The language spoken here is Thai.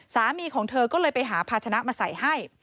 สามีของเธอก็เลยไปหาภาชนะมาใส่ให้